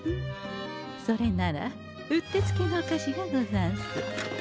それならうってつけのお菓子がござんす。